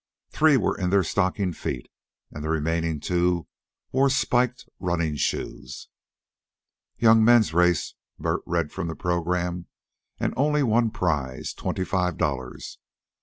Three were in their stocking feet, and the remaining two wore spiked running shoes. "Young men's race," Bert read from the program. "An' only one prize twenty five dollars.